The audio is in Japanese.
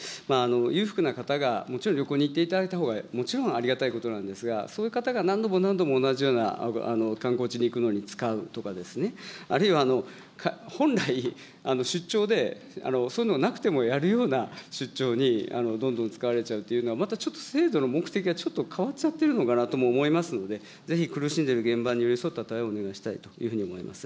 裕福な方が、もちろん旅行に行っていただいたほうが、もちろんありがたいことなんですが、そういう方が何度も何度も同じような観光地に行くのに使うとかですね、あるいは本来、出張でそういうのがなくてもやるような出張に、どんどん使われちゃうというのは、またちょっと制度の目的がちょっと変わっちゃってるのかなとも思いますので、ぜひ苦しんでる現場に寄り添った対応をお願いしたいというふうに思います。